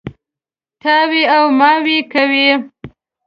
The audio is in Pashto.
تاوې او ماوې کوي.